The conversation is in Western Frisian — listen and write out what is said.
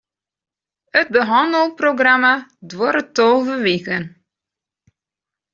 It behannelprogramma duorret tolve wiken.